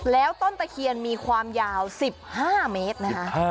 แล้วต้นตะเคียนมีความยาว๑๕เมตรนะคะ